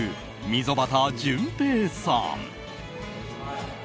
溝端淳平さん。